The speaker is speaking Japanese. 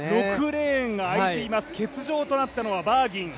６レーンがあいています、欠場となったのはバーギン。